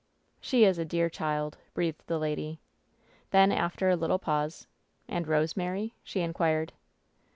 "She is a dear child," breathed the lady. Then, after a little pause — "And Rosemary ?" she inquired.